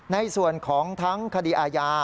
ในส่วนของทั้งคดีอาญา